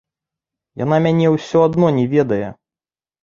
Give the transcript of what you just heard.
Яна мяне ўсё адно не ведае.